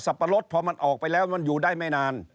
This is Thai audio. ปะรดพอมันออกไปแล้วมันอยู่ได้ไม่นาน